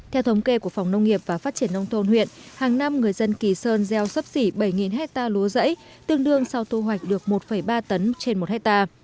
theo thống kê của phòng nông nghiệp và phát triển nông thôn huyện hàng năm người dân kỳ sơn gieo sấp xỉ bảy hectare lúa giẫy tương đương sau thu hoạch được một ba tấn trên một hectare